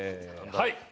はい！